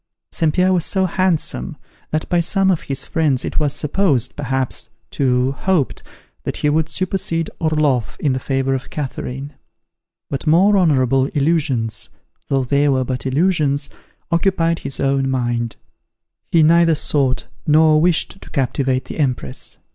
St. Pierre was so handsome, that by some of his friends it was supposed, perhaps, too, hoped, that he would supersede Orloff in the favor of Catherine. But more honourable illusions, though they were but illusions, occupied his own mind. He neither sought nor wished to captivate the Empress.